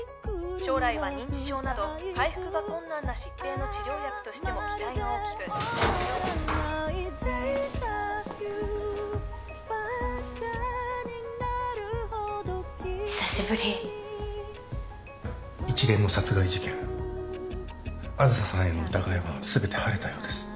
将来は認知症など回復が困難な疾病の治療薬としても期待が大きく久しぶり一連の殺害事件梓さんへの疑いはすべて晴れたようです